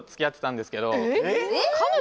えっ！？